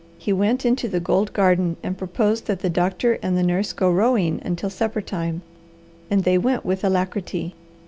He went into the gold garden and proposed that the doctor and the nurse go rowing until supper time, and they went with alacrity.